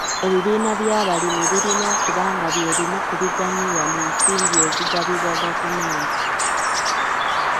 Ebibiina by'abalimi birina okuba nga by'ebimu ku biganyulwa mu nsimbi ezigabibwa gavumenti.